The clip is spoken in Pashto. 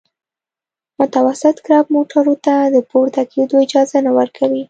متوسط کرب موټرو ته د پورته کېدو اجازه نه ورکوي